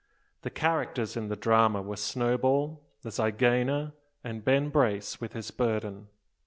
The characters in the drama were Snowball, the zygaena, and Ben Brace with his burden.